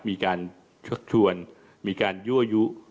มีการชักชวนมีการยั่วยุ